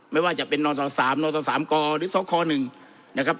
ไม่ว่าจะเป็นนศ๓นศ๓กหรือสค๑นะครับ